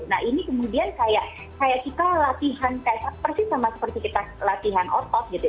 nah ini kemudian kayak kita latihan kayak persis sama seperti kita latihan otot gitu